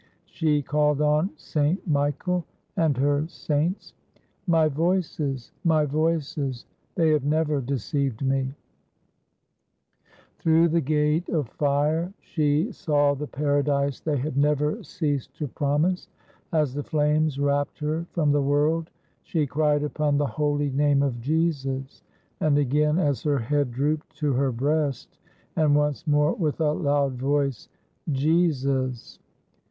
She called on St. Michael and her saints. "My Voices, my Voices, they have never deceived me." * Be of good courage! on! on! 196 THE DEATH OF JEANNE D'ARC Through the gate of fire she saw the paradise they had never ceased to promise. As the flames wrapped her from the world, she cried upon the Holy Name of Jesus, and again as her head drooped to her breast, and once more, with a loud voice: "Jesus."